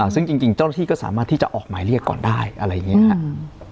ซึ่งจริงเจ้าหน้าที่ก็สามารถที่จะออกหมายเรียกก่อนได้อะไรอย่างนี้ครับ